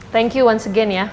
thank you once again ya